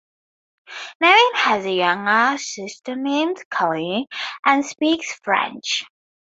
Nevin has a younger sister named Kaleigh, and speaks French.